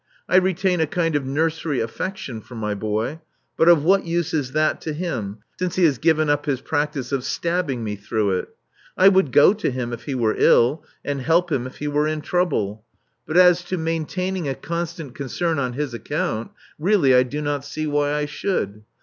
I retain a kind of nurserj affection for my boy ; but of what use is that to him, since he has given up his practice of stabbing mc through it? I would go to him if he were ill; anc help him if he were in trouble ; but as to maintain Love Among the Artists 433 ing a constant concern on his account, really I do not see why I should.